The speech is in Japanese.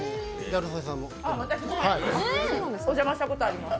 私もお邪魔したことあります。